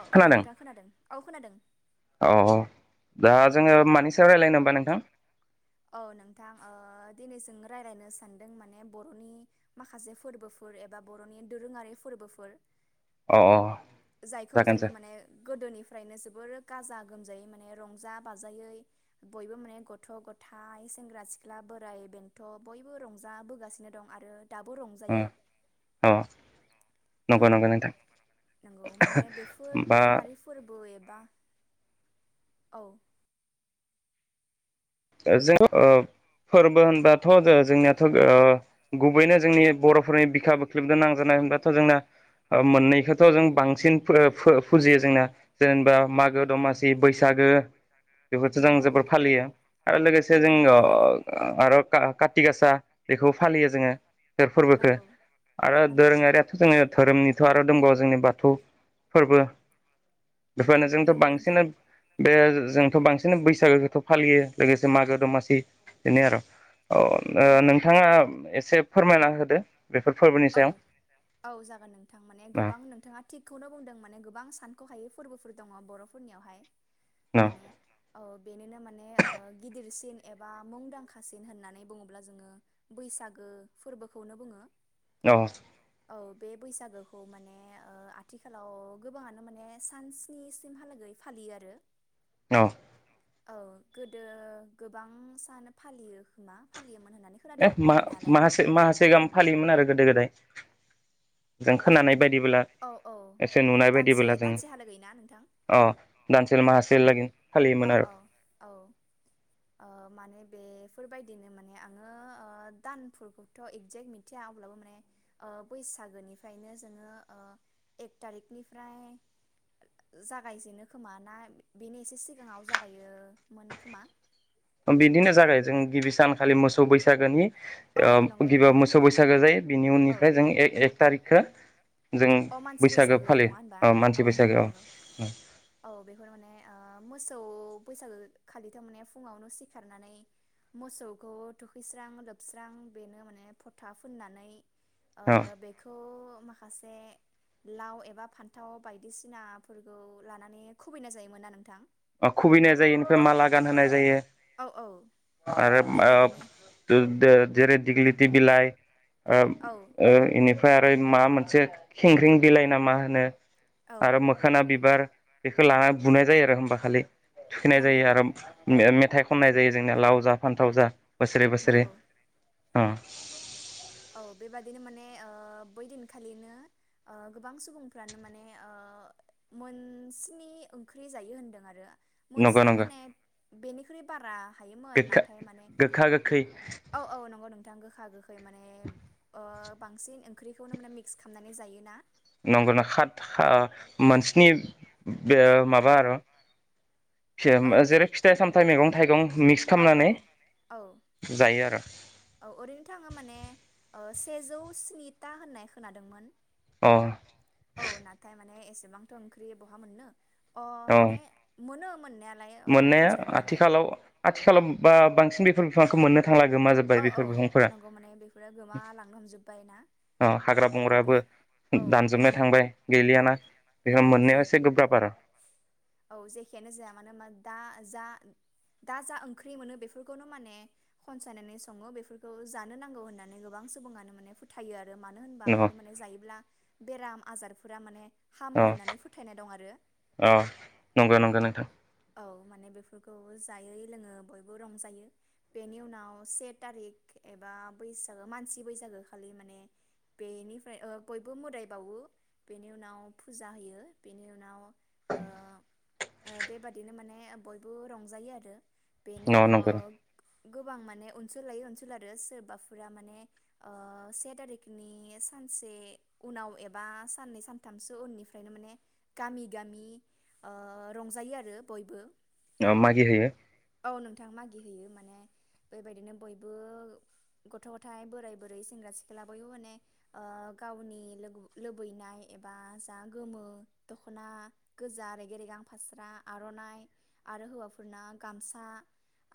औ औ नोंथां खोनादों। औ खोनादों। औ औ दा जोङो मानि सायाव रायज्लायनो होमबा नोंथां? औ नोंथां ओ दिनै जों रायलायनो सानदों माने बर'नि माखासे फोरबोफोर एबा बर'नि दोरोङारि फोरबोफोर। जायखौ जोङो माने गोदोनिफ्रायनो जोबोर गाजा गोमजायै माने रंजा बाजायै बयबो माने गथ' गथ' थाय सेंग्रा सिख्ला बोराइ बेन्थ' बयबो रंजाबोगासिनो दं आरो दाबो रंजायो। औ नंगौ माने बेफोर दोरोङारिफोरबो [unintelligible] जों फोरबो होनबाथ' जोंनियाथ' गुबैनो जोंनि बर'फोरनि बिखा-बिख्लबजों नांजाबनाय होनबाथ' जोंना मोननैखौथ' जों बांसिन फुजियो जोंना जेनेबा मागो दमासि बैसागो बेफोरफोरखौ जों जोबोर फालियो। आरो लोगोसे जोङो आरो कारति गासा बेखौ फालियो जोङो। बे फोरबोखो आरो दोरोङारियाथ' जोंनि धोरोमनिथ' आरो दंबावो जोंनि बाथौ फोरबो बेफोरनो जोंथ' बांसिना बे जों थ' बांसिन बैसागोखौ फालियो। लोगोसे मागो-दमासि बिनो आरो। औ नोंथाङा एसे फोरमायना होदो। औ औ जागोन नोंथां माने गोबां नोंथाङा थिगखौनो बुंदों माने गोबां सानख' हायै फोरबोफोर दङ बर'फोरनियावहाय। माने औ बेनिनो माने गिदिरसिन एबा मुंदांखासिन होननानै बुङोब्ला जोङो बैसागो फोरबोखौनो बुङो। औ। औ बे बैसागोखौ माने ओ आथिखालाव गोबाङानो माने सान स्नि सिमहालागै फालियो आरो। औ। औ गोदो गोबां सान फालियो खोमा, फालियोमोन। एह मा माहासे माहासे गाहाम फालियोमोन आरो। गोदो गोदाय जों खोनानाय बायदिबोला एसे नुनाय बायदिबोला जों अ दानसेल' माहासेल लागि औ औ औ ओ माने बेफोरबायदिनो माने आङो ओ दानफोरखौथ' एकजेक्ट मिथिया। अब्लाबो माने ओ बैसागोनिफ्रायनो जोङो ओ एक थारिकनिफ्राय जागायजेनो खोमा ना बेनि एसे‌ सि जोंनाव जागायोमोन खोमा? बिदिनो जागाय जों गिबि सानखालि मोसौ बैसागोनि ओ गिबियाव मोसौ बैसागो जायो बिनि उननिफ्राय जों एक एक थारिख खो- अ मानसि बैसागो नङा होनबा औ नंगौ नंगौ औ बेफोर माने ओ मोस सौ बैसागो खालि थारमाने फुङावनो सिखारनानै मोसौखौ थुखैस्रां-लोबस्रां बेनो माने फथा फुननानै ओ बेखौ मा खासे लाव एबा फान्थाव बायदिसिनाफोरखौ लानानै खुबैनाय जायोमोन ना नोंथां? अ खुबैनाय जायो इनिफ्राय माला गानहोनाय जायो आरो ओ दु दो जेरै दिग्लिलिथि बिलाइ ओम ओ इनिफा फ्राय आरो मा मोनसे खेंख्रिं बिलाइ ना मा होनो आरो मोखोना बिबार बेखौ लाना बुनाय जायो आरो होमबा। खालि थुखैनाय जायो आरो मे मे मेथाइ खननाय जायो जोंनिया लाव जा फान्थाव जा बोसोरे बोसोरे अ औ बेबादिनो माने ओ बै दिनखालिनो ओ गोबां सुबुंफ्रानो माने ओ‌ मोनस्नि ओंख्रि जायो होनदों आरो मोनस्नि माने बेनिख्रुइ बारा हायोमोन नाथाय माने औ औ नंगौ नंगौ दा गोखा गोखै माने ओ बांसिन ओंख्रिखौनो माने मिक्स खामनानै जायोना। नंगौना खात ओ मोनस्नि बे माबा आरो जेरै फिथाइ सामथाइ मैगं थाइगं मिक्स खालामनानै जायो आरो। सेजौ स्निथा होननाय खोनादोंमोन औ नाथाय माने एसेबांथ' ओंख्रि बहा मोननो अ माने मोनो मोननाया आथिखालाव आथिखालाव बा बांसिन बे बिफांखौ मोनो औ औ नंगौ माने बेफोरो गोमालांनो हमजोब्बाय ना औ बे औ बा औ औ जे औ जेखियानो जाया मानो मा दा जा ओंख्रि मोनो बेफोरखौनो मोने खनसायनानै सङो बेफोरखौ जानो नांगौ होननानै गोबां सुबुङानो माने फोथायो आरो। मानो होनबा बेखौ माने जायोब्ला बेराम आजारफोरा माने औ औ नंगौ नंगौ नोंथां। औ माने बेफोरखौ जायै लोङो बयबो रंजायो बेनि उनाव से थारिख एबा बैसागो मानसि बैसागो खालि माने बेनिफ्राय ओ बयबो मोदाय बावो बेनि उनाव फुजा होयो बेनि उनाव ओ ओ बेबादिनो माने बयबो रंजायो आरो। बेनि उनाव ओ गोबां माने अनसोल लायै अओनसोल आरो सोरबाफोरा माने से थारिखनि सानसे उनाव एबा साननै सानथामसो उननिफ्रायनो माने गामि गामि ओ रंजायो आरो। आरो बयबो मागि होयो। गि हैयो माने बेबायदिनो बयबो गथ' गथायाइ बोराय बुरि सेंग्रा सिख्ला बयबो माने गावनि लुबैनाय एबा गोजा गोमो दख'ना गोजा रेगे रेगां फास्रा आर'नाइ आरो हौवाफोरना गामसा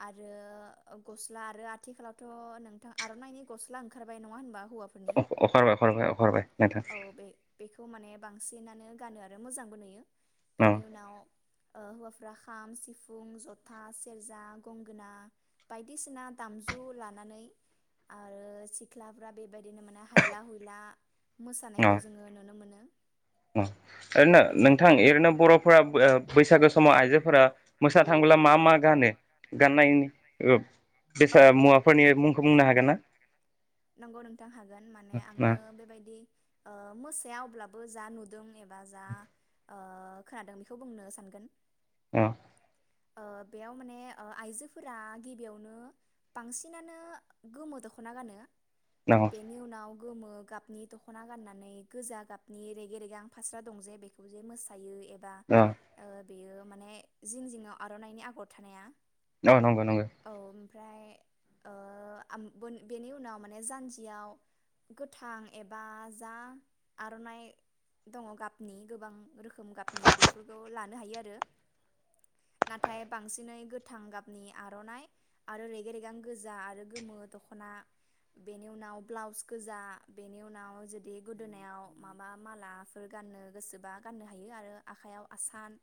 आरो गस्ला आरो आथिखालावथ' नोंथां आर'नाइनि गस्ला ओंखारबाय नङा होनबा हौवा ओंखारबाय ओंखारबाय नोंथां। खौ माने बांसिनानो गानो आरो मोजांबो नुयो। बेनि उनाव हौवाफ्रा खाम सिफुं जथा सेरजा गंगोना बायदिसिना दामजु लानानै आरो सिख्लाफ्रा बेबायदिनो मोने हायला हुइला मोसानायखौ जोङो नुनो मोनो। ओरैनो नोंथां ओरैनो बर'फोरा बैसागो समाव आइजोफोरा मोसा थाङोब्ला मा मा गानो गाननायनि। औ नंगौ नोंथां हागोन माने आङो बेबायदि मोसाया अब्लाबो बो जा नुदों एबा जा खोनादों बेखौ बुंनो सानगोन। औ। बेयाव माने आइजोफोरा गिबियावनो बांसिनानो गोमो दख'ना गानो बेनि उनाव गोमो गाबनि दख'ना गाननानै गोजा गाबनि रेगे रेगां फास्रा दं जे बेजों जे मोसायो दा ओ। बेयो माने जिं जिङाव आर'नाइनि आगर थानाया। नंगौ नंगौ नंगौ ओमफ्राय ओ आम बोन बेनि उनाव माने जान्जियाव गोथां एबा जा आर'नाइ दंङ गाबनि गोबां रोखोम गाबनि बेफोरखौ लानो हायो आरो। नाथाय बांसिनै गोथां गाबनि आर'नाइ आरो रेगे रेगां गोजा आरो गोमो दख'ना बेनि उनाव ब्लाउस गोजा बेनि उनाव जुदि गोदोनायाव माबा मालाफोर गाननो गोसोबा गाननो हायो आरो आखाइयाव आसान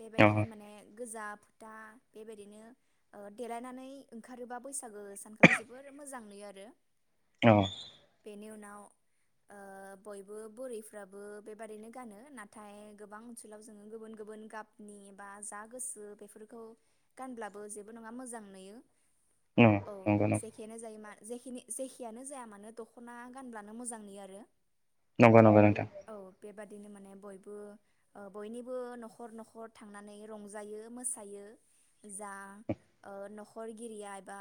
बेबायदिनो माने। गोजा फोथा बेबायदिनो ओ देलायनानै ओंखारोबा बैसागो सानखालि जोबोर मोजां नुयो आरो। औ नि उनाव ओ बयबो बुरैफ्राबो बेबादिनो गानो नाथाय गोबां ओनसोलाव जोंङो गुबुन गुबुन गाबनि बा जा गोसो बेफोरखौ गानब्लाबो जेबो नंङा मोजां नुयो। औ जेखियानो जायोमा जेखिनि जेखियानो जाया मानो दख'ना गानब्लानो मोजांनि नुयो‌ आरो। नंगौ नंगौ नोंथां। बिदिनो माने बयबो ओ बयनिबो न'खर न'खर थांनानै रंजायो मोसायो जा ओ नखरगिरिया बा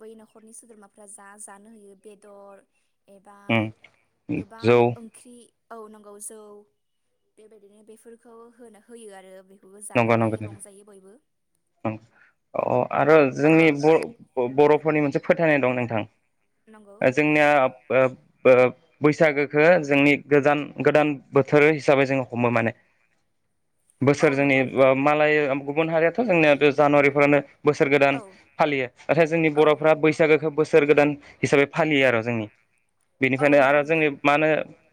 बै नखरनि सोद्रोमाफ्रा जा जानो होयो बेदर। एबा गोबां ओंख्रि औ नंगौ जौ बेबायदिनो बेफोरखौ होनो होयो आरो बे खौबो जाना नंगोदे ओ अ आरो। जोंनि ब ब बर'फोरनि मोनसे फोथायनाय दं नोंथां। जोंनिया ओ बो बो बैसागोखो जोंनि गोजान गोदान बोथोर हिसाबै जोंङो हमो माने बो सोर जोंनि मालाय गुबुन हारिया जोंनिया गो जानुवारिफोरानो बोसोर गोदान फालियो नाथाय जोंनि बर'फोरा बैसागोखो बोसोर गोदान हिसाबै फालियो आरो जोंनि बेनिखायनो आरो जोंनि मा होनो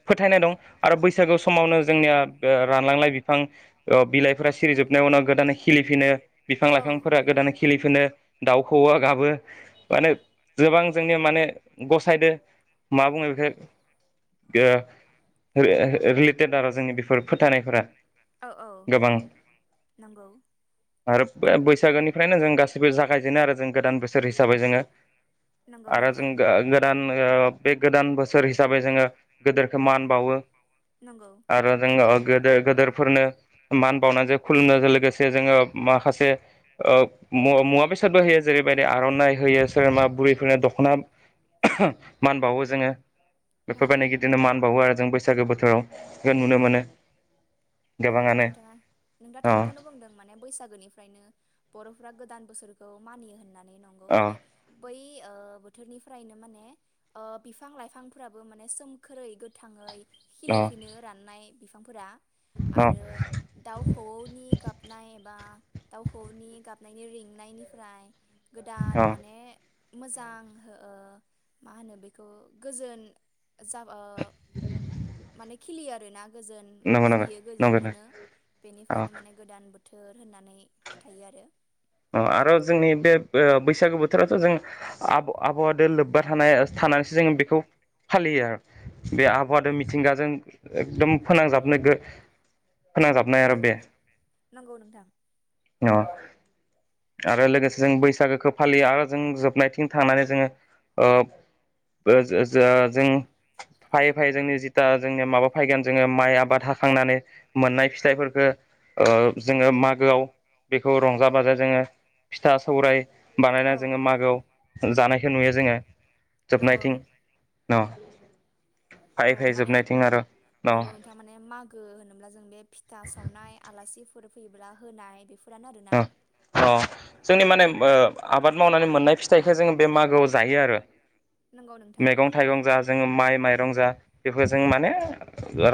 फोथायनाय दं आरो बैसागु समावनो जोंनिया ओ रानलांलाय बिफां ओ बिलाइफोरा सिरिजोबनायावनो गोदानै खिलिफिनो बिफां लाइफांफोरा गोदानै खिलिफिनो दाउ खौऔआ गाबो मा होनो गोबां जोंनिया माने गसायदो मा बुङो बेखो ओ रि रि रिलेटेद आरो जोंनि बेफोर फोथायनायफोरा औ औ नंगौ आरो बो बैसागोनिफ्रायनो जों गासैबो जागायजेनो आरो जों गोदान बोसोर हिसाबै जोंङो आरो जों गो गोदान ओ बे गोदान बोसोर हिसाबै जोङो गोदोरखौ मान बावो [unintelligible] गोदो गोदोरफोरनो मान बावनाजों खुलुमनायजों लोगोसे जोङो माखासे ओ मु मुवा बेसा सादबो होयो जेरैबायदि आर'नाइ होयो सोरमा बुरैफोरनो दख'ना मान बावो जोङो बेफोरबायदि गिदिरनो मान बावो आरो जों बैसागो बोथोराव नुनो मोनो गोबाङानो नों दा थारखौनो बुंदों माने बैसागोनिफ्रायनो बर' फोरा गोदान बोसोरखौ मानियो होननानै नंगौ माने बै ओ बोथोरनिफ्रायनो माने ओ बिफां- लाइफांफोराबो माने सोमखोरै गोथाङै खिलिफिनो राननाय बिफांफोरा आरो दाउ खौवौनि गाबनाय एबा दाउखौऔनि गाबनायनि रिंनायनिफ्राय गोदान माने मोजां ओ मा होनो बेखौ गोजोन जाब ओ माने खिलियो आरोना गोजोन फैयो जों मोनो बेनिफ्रायनो माने गोदान बोथोर होननानै फोथायो आरो अ आरो जोंनि बे बो बैसागो बोथोरावथ' जों आब आबहावादो लोब्बा थानाय थानानैसो जोङो बेखौ फालियो बे आबहावादो मिथिंगाजों एकदम फोनांजाबनो गो फोनांजाबनाय आरो बे नंगौ नोंथां अ आरो लोगोसे जों बैसागोखौ फालियो आरो जों जोबनायथिं थांनानै जोङो ओ [unintelligible] जों फायै फायै जोंनि जिथा जोंनि माबा फायगोन जोङो माइ आबाद हाखांनानै मोननाय फिथाइफोरखौ ओ जोङो मागोआव बेखौ रंजा -बाजा जोङो फिथा सौराय बानायना जोङो मागोआव जानायखौ नुयो जोङो। जोबनायथिं न औ माने नंगौ नोंथां माने मागो होनोब्ला जों बे फिथा सावनाय आलासि फैयोब्ला होनाय बेफोर अ जोंनि माने ओ आबाद मावनानै मोननाय फिथाइखो जोङो बे मागोआव जायो आरो। मैगं-थाइगं जा जों माइ-माइरं जा बेफोर जों माने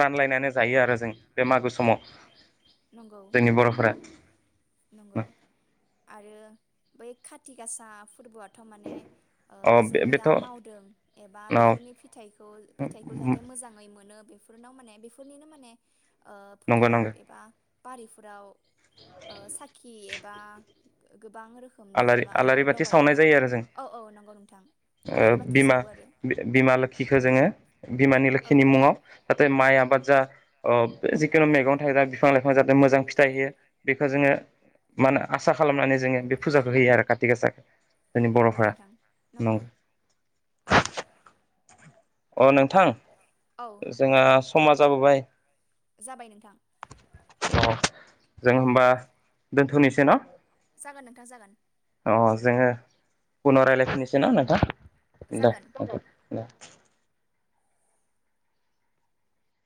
रानलायनानै जायो आरो जों बे मागो समाव। जोंनि बर'फोरा नंगौ आरो बै खाथि गासा फोरबो थमाने जों जा मावदों एबा बेफोरनि फिथखौ फिथाइखौ जाहाथे मोजाङै मोनो। बेफोरनाव माने बेफोरनिनो माने ओ फोथाराव एबा बारिफोराव ओ साखि एबा आलारि आलारि बाथि सावनाय जायो आरो जों ओ बिमा बि बिमा लोखिखौ जोङो बिमा नि लोखि नि मुङाव जाथे माइया जा ओ जिखुनु मैगं थाइगं बिफां लाइफां जाहाथे मोजां फिथाइ होयो बेखौ जोङो मान होन आसा खालामनानै जोङो। फुजाखौ होयो आरो कथि गासा नंगौ नोंथां नंगौ। अ नोंथां। जोंहा स समा जाबोबाय। जाबाय नोंथां। अ जों हबा दोनथ'नोसै न। जागोन नोंथां जागोन। अ जोङो उनाव रायज्लायफिनोसै ना नोंथां। दे। दे